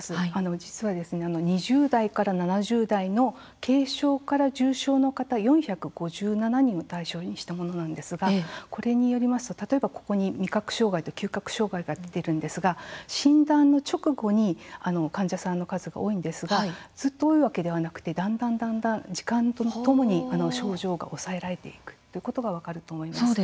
実は２０代から７０代までの軽症から重症の方４５７人を対象にしたものなんですがこれによりますと例えば味覚障害と嗅覚障害が出るんですが診断の直後に患者さんの数が多いんですがずっと多いわけではなくだんだんだんだん時間とともに症状が抑えられていくということが分かると思います。